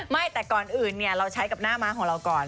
ไม่แต่ก่อนอื่นเราใช้กับหน้าม้าของเราก่อน